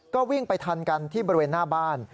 ก็วิ่งไปทันกันที่บริเวณหน้าบ้าน